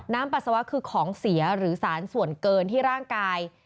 ปัสสาวะคือของเสียหรือสารส่วนเกินที่ร่างกาย